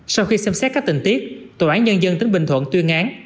sau khi xem xét các tình tiết tòa án nhân dân tỉnh bình thuận tuyên án